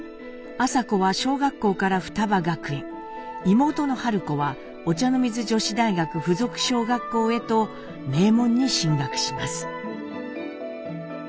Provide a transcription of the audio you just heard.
麻子は小学校から雙葉学園妹の子はお茶の水女子大学附属小学校へと名門に進学します。